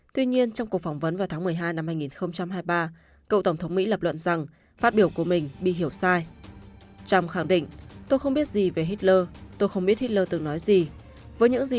tuy nhiên trong cuộc phỏng vấn vào tháng một mươi hai năm hai nghìn hai mươi ba cậu tổng thống mỹ lập luận rằng phát biểu của mình bị hiểu sai